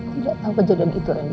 tidak tahu kejadian itu eni